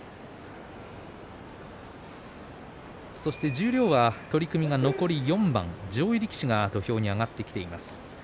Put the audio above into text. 十両は取組は残り４番上位力士が土俵に上がってきています。